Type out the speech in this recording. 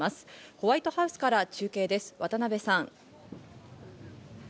ホワイトハウスから中継です、渡邊さん。